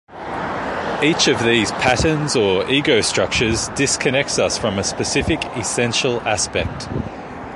Each of these patterns or ego structures disconnects us from a specific Essential Aspect.